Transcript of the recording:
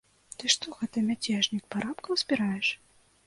Ты, што гэта, мяцежнік, парабкаў збіраеш?